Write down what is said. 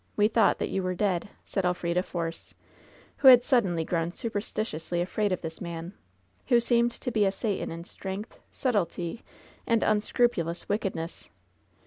We thought that you were dead,'' said Elfrida Force, who had suddenly grown superstitiously afraid of this man, who seemed to be a Satan in strength, subtlety and un scrupulous wickedness.